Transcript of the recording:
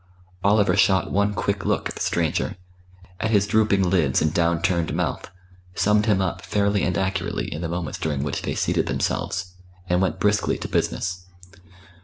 Oliver shot one quick look at the stranger, at his drooping lids and down turned mouth, summed him up fairly and accurately in the moments during which they seated themselves, and went briskly to business.